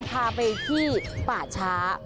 พาไปที่ป่าช้า